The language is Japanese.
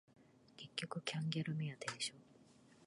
結局キャンギャル目当てでしょ